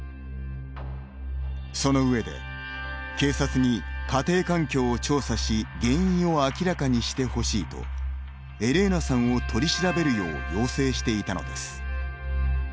その上で警察に「家庭環境を調査し原因を明らかにしてほしい」とエレーナさんを取り調べるよう要請していたのです。